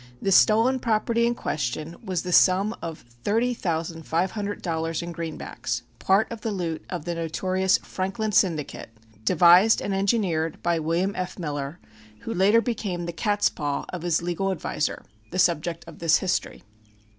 The stolen property in question was the sum of thirty thousand five hundred dollars in greenbacks, part of the loot of the notorious "Franklin Syndicate," devised and engineered by William F. Miller, who later became the catspaw of his legal adviser, the subject of this history.